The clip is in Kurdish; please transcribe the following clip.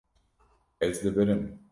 Ez dibirim.